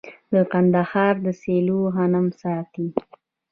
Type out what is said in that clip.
د کندهار سیلو غنم ساتي.